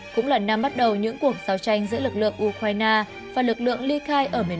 cũng là năm bắt đầu những cuộc giao tranh giữa lực lượng ukraine và lực lượng ly khai ở miền nam